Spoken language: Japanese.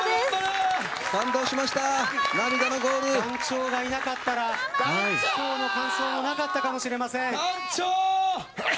団長がいなかった完走もなかったかもしれません。